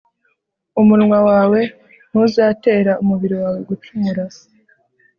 umunwa wawe ntuzatere umubiri wawe gucumura